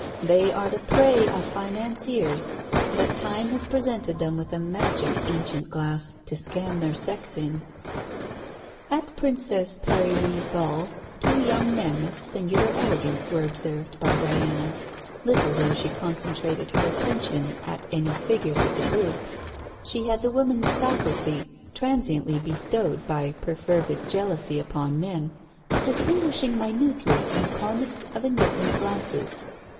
They are the prey of financiers, but Time has presented them a magic ancient glass to scan their sex in. At Princess Paryli's Ball two young men of singular elegance were observed by Diana, little though she concentered her attention on any figures of the groups. She had the woman's faculty (transiently bestowed by perfervid jealousy upon men) of distinguishing minutely in the calmest of indifferent glances.